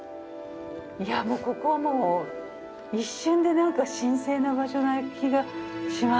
ここはもう一瞬でなんか神聖な場所な気がしますね。